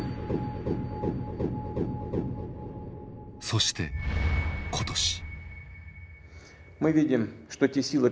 そして今年。